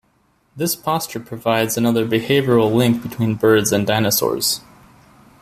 This posture provides another behavioral link between birds and dinosaurs.